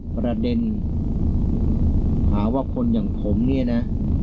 ประเด็นหาว่าคนอย่างผมเนี่ยนะ